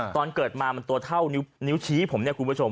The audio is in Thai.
ตอนเกิดมามันตัวเท่านิ้วชี้ผมเนี่ยคุณผู้ชม